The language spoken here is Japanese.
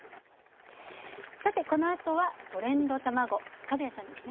さてこのあとはトレンドたまご、角谷さんですね。